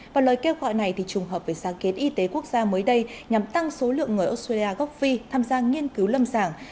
và lời kêu gọi này trùng hợp với sáng kiến y tế quốc gia mới đây nhằm tăng số lượng người australia gốc phi tham gia nghiên cứu lâm sàng